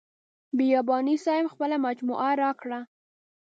بیاباني صاحب خپله مجموعه راکړه.